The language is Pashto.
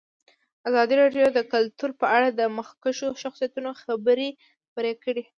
ازادي راډیو د کلتور په اړه د مخکښو شخصیتونو خبرې خپرې کړي.